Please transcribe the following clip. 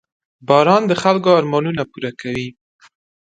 • باران د خلکو ارمانونه پوره کوي.